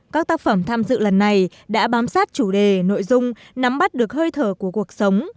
các tác phẩm tham dự lần này đã bám sát chủ đề nội dung nắm bắt được hơi thở của cuộc sống